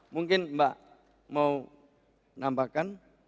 mungkin mbak mau menambahkan